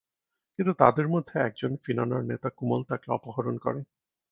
কিন্তু তাদের মধ্যে একজন, ফিনানার নেতা কুমল তাকে অপহরণ করে।